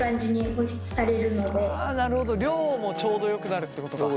あなるほど量もちょうどよくなるってことか。